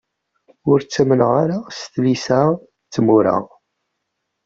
Ur ttamneɣ ara s tlisa d tmura.